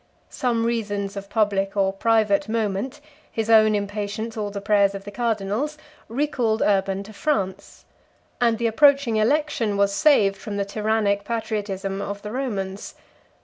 Some reasons of public or private moment, his own impatience or the prayers of the cardinals, recalled Urban to France; and the approaching election was saved from the tyrannic patriotism of the Romans.